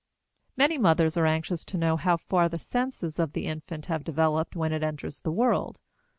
Many mothers are anxious to know how far the senses of the infant have developed when it enters the world.